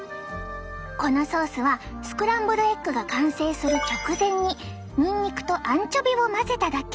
このソースはスクランブルエッグが完成する直前ににんにくとアンチョビを混ぜただけ！